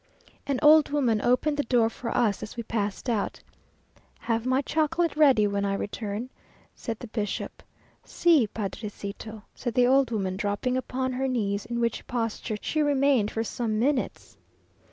An old woman opened the door for us as we passed out. "Have my chocolate ready when I return," said the bishop, "Si, padrecito!" said the old woman, dropping upon her knees, in which posture she remained for some minutes.